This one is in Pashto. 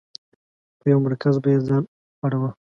پر یو مرکز به یې ځان اړوه.